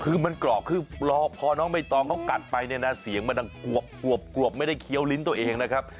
คือมันกรอกคือพอน้องใบตองเขากัดไปเนี่ยนะเสียงมันดังกวบไม่ได้เคี้ยวลิ้นตัวเองนะครับ